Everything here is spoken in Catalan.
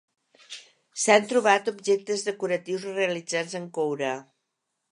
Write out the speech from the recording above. S'han trobat objectes decoratius realitzats en coure.